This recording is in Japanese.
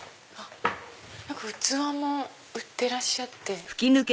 器も売ってらっしゃって。